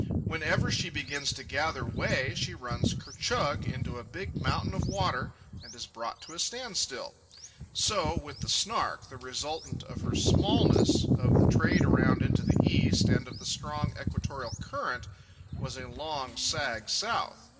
Whenever she begins to gather way, she runs ker chug into a big mountain of water and is brought to a standstill. So, with the Snark, the resultant of her smallness, of the trade around into the east, and of the strong equatorial current, was a long sag south.